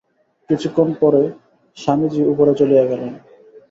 কিছুক্ষণ পরে স্বামীজী উপরে চলিয়া গেলেন।